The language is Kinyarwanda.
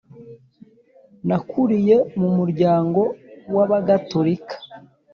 nakuriye mu muryango w ‘abagatolika,